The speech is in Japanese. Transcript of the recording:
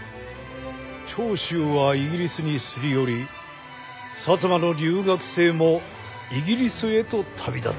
長州はイギリスにすり寄り摩の留学生もイギリスへと旅立った。